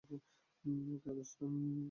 ওকে, আকাশটা আজ বেশ পরিষ্কার।